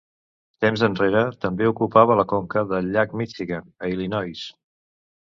Temps enrere també ocupava la conca del llac Michigan a Illinois.